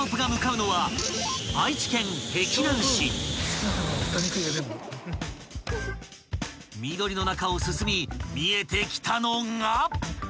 ［緑の中を進み見えてきたのが］